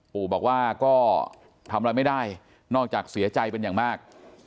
ปู่บอกว่าก็ทำอะไรไม่ได้นอกจากเสียใจเป็นอย่างมาก